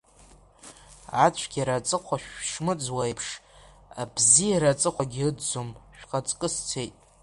Ацәгьара аҵыхәа шмыӡуа еиԥш, абзиара аҵыхәагьы ыӡӡом, шәхаҵкы сцеит!